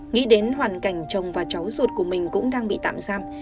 nghĩ đến hoàn cảnh chồng và cháu ruột của mình cũng đang bị tạm giam